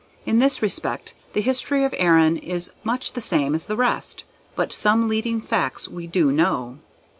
In this respect the history of Erin is much the same as the rest; but some leading facts we do know.